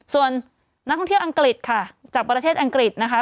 ส่วนนักท่องเที่ยวอังกฤษค่ะจากประเทศอังกฤษนะคะ